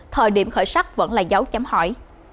thời điểm khởi sắc vẫn là dấu chấm hỏi